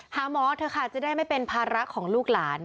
หาหมอเถอะค่ะจะได้ไม่เป็นภาระของลูกหลาน